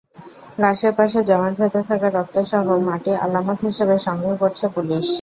লাশের পাশে জমাট বেঁধে থাকা রক্তসহ মাটি আলামত হিসেবে সংগ্রহ করছে পুলিশ।